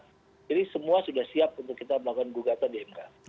jadi semua sudah siap untuk kita melakukan gugatan di mk